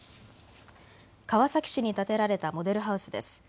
川崎市に建てられたモデルハウスです。